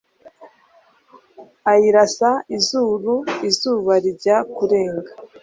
ayirasa izuru izuba rijya kurenga,